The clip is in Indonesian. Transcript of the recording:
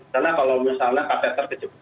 karena kalau misalnya kaset terkejut